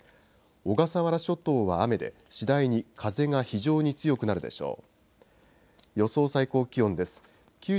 小笠原諸島は雨で次第に風が非常に強くなるでしょう。